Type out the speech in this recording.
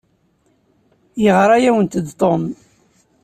Yeɣra-awent-d Tom?